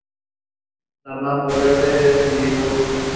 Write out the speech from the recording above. La mamba verde es diurna.